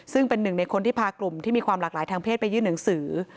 ซึ่งเป็นหนึ่งในคนที่พากลุ่มที่มีความหลากหลายทางเพศไปยื่นหนังสือ